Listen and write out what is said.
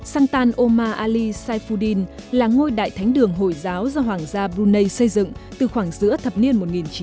shantan omar ali saifuddin là ngôi đại thánh đường hồi giáo do hoàng gia brunei xây dựng từ khoảng giữa thập niên một nghìn chín trăm năm mươi